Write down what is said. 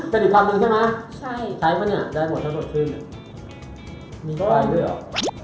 เป็นอีกคำนึงใช่ไหมใช้ไหมเนี่ยได้หมดถ้าสดชื่นมีควายด้วยเหรอ